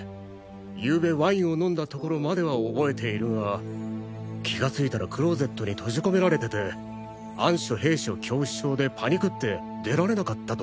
ゆうべワインを飲んだところまでは覚えているが気がついたらクローゼットに閉じ込められてて暗所閉所恐怖症でパニクって出られなかったと。